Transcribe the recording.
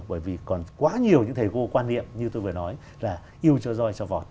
bởi vì còn quá nhiều những thầy cô quan niệm như tôi vừa nói là yêu cho roi cho vọt